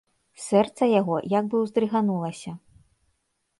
Сэрца яго як бы ўздрыганулася.